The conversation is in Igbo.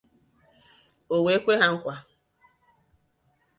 o wee kwe ha nkwa